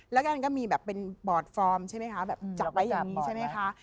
และก็มีแบบเป็นบอร์ดฟอร์มใช่ไหมค่ะ